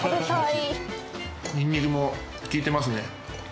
ニンニクも効いてますね。